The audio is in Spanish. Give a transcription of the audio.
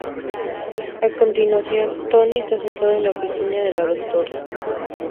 A continuación, Tony está sentado en la oficina de la Dra.